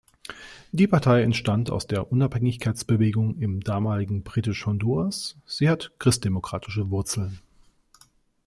Die Partei entstand aus der Unabhängigkeitsbewegung im damaligen British Honduras, sie hat christdemokratische Wurzeln.